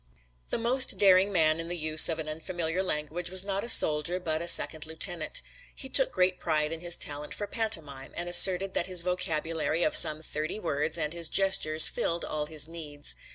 The most daring man in the use of an unfamiliar language was not a soldier but a second lieutenant. He took great pride in his talent for pantomime and asserted that his vocabulary of some thirty words and his gestures filled all his needs.